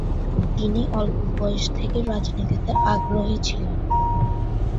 তিনি অল্প বয়স থেকেই রাজনীতিতে আগ্রহী ছিলেন।